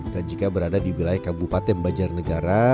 dan jika berada di wilayah kabupaten banjaranegara